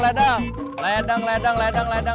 ladang ledang ledang ledang ledang